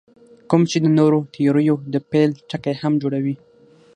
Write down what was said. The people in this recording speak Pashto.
کوم چې د نورو تیوریو د پیل ټکی هم جوړوي.